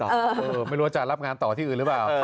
ไม่รู้ว่าจะรับงานต่อที่อื่นหรือเปล่า